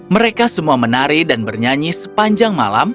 mereka semua menari dan bernyanyi sepanjang malam